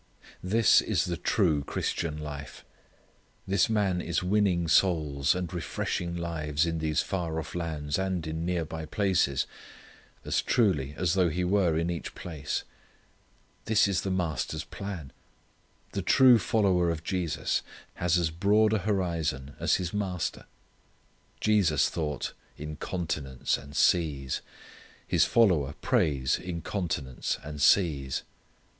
This is the true Christian life. This man is winning souls and refreshing lives in these far off lands and in near by places as truly as though he were in each place. This is the Master's plan. The true follower of Jesus has as broad a horizon as his Master. Jesus thought in continents and seas. His follower prays in continents and seas.